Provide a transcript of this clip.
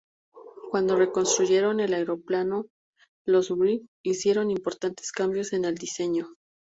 Cuando reconstruyeron el aeroplano, los Wright hicieron importantes cambios en el diseño.